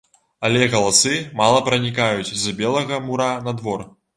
Але галасы мала пранікаюць з белага мура на двор.